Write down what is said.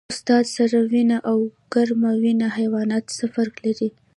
استاده سړه وینه او ګرمه وینه حیوانات څه فرق لري